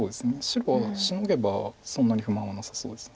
白はシノげばそんなに不満はなさそうです。